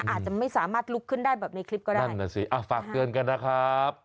อาจจะไม่สามารถลุกขึ้นได้แบบในคลิปก็ได้นั่นน่ะสิอ่ะฝากเตือนกันนะครับ